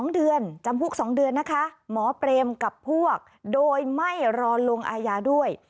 ๒เดือนจำคุก๒เดือนนะคะหมอเปรมกับพวกโดยไม่รอลงอาญาด้วย